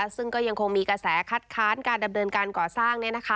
ซึ่งก็ยังคงมีกระแสคัดค้านการดำเนินการก่อสร้าง